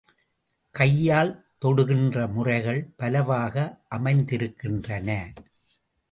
கையால் தொடுகின்ற முறைகள் பலவாக அமைந்திருக்கின்றன.